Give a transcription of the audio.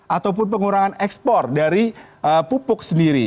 ataupun pengurangan ekspor dari pupuk sendiri